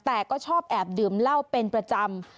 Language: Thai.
แต่ก็ชอบแอบดื่มเหล้าเป็นประจำ